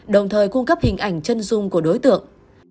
đồng thời cung cấp hình ảnh chân dung của đối tượng